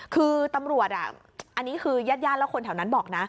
คือตำรวจอ่ะอันนี้คือยาดแล้วคนแถวนั้นบอกนะ